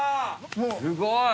すごい！